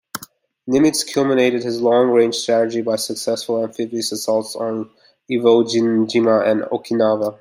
Nimitz culminated his long-range strategy by successful amphibious assaults on Iwo Jima and Okinawa.